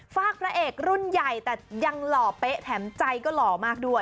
ฝากพระเอกรุ่นใหญ่แต่ยังหล่อเป๊ะแถมใจก็หล่อมากด้วย